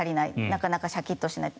なかなかシャキッとしない。